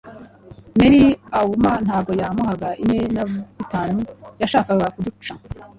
mary auma ntabwo yamuhaga ine nabitanu yashakga kuduca